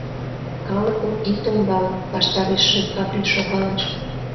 Калыкым ит ондале! — ваштарешыже Каври шогалеш.